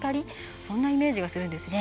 そんなイメージがするんですね。